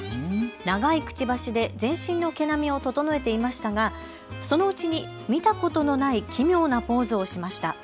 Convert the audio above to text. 長いくちばしで全身の毛並みを整えていましたがそのうちに見たことのない奇妙なポーズをしました。